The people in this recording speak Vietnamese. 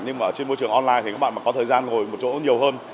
nhưng mà trên môi trường online thì các bạn mà có thời gian ngồi một chỗ nhiều hơn